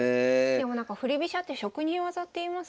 でもなんか振り飛車って職人技っていいますよね？